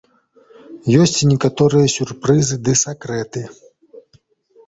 Ёсць і некаторыя сюрпрызы ды сакрэты.